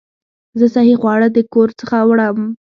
زه صحي خواړه د کور څخه وړم.